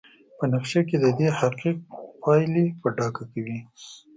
په نقشه کې ددې حقیق پایلې په ډاګه کوي.